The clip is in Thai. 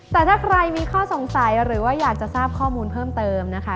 แต่ถ้าใครมีข้อสงสัยหรือว่าอยากจะทราบข้อมูลเพิ่มเติมนะคะ